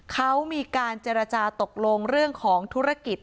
เขามีการเจรจาตกลงเรื่องของธุรกิจ